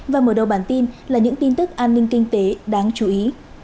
và mở đầu bản tin là những tin tức an ninh kinh tế đáng chú ý